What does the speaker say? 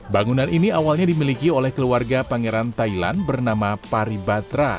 bangunan ini awalnya dimiliki oleh keluarga pangeran thailand bernama paribatra